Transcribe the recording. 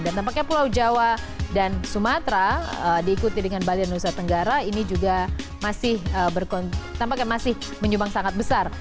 dan tampaknya pulau jawa dan sumatera diikuti dengan bali dan nusa tenggara ini juga masih menyumbang sangat besar